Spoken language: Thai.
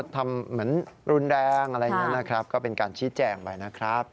ทำเหมือนรุนแรงอะไรอย่างนี้นะครับก็เป็นการชี้แจงไปนะครับ